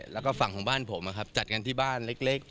แล้วก็ฝั่งของบ้านผมจัดกันที่บ้านเล็ก